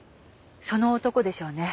その男でしょうね